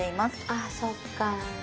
あそっか。